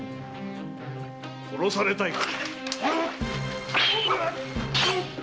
殺されたいか？